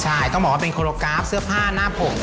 ใช่ต้องบอกว่าเป็นโคโลกราฟเสื้อผ้าหน้าผม